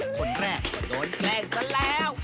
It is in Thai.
คนแรกอาจจะโดนแกล้งซะแล้ว